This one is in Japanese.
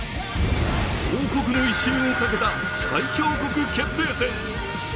王国の威信をかけた最強国決定戦。